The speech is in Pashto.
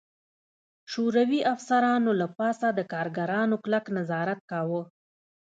شوروي افسرانو له پاسه د کارګرانو کلک نظارت کاوه